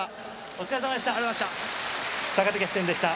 お疲れさまでした。